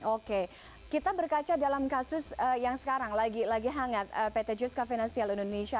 oke kita berkaca dalam kasus yang sekarang lagi hangat pt juska finansial indonesia